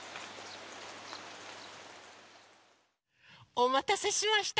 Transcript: おまたせしました！